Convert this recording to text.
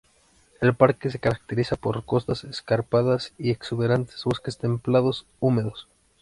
El parque se caracteriza por costas escarpadas y exuberantes bosques templados húmedos.